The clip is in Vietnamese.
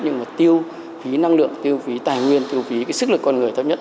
nhưng mà tiêu phí năng lượng tiêu phí tài nguyên tiêu phí sức lực con người thấp nhất